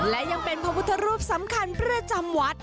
และยังเป็นพระพุทธรูปสำคัญประจำวัด